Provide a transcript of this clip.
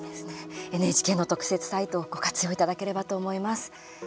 ＮＨＫの特設サイトをご活用いただければと思います。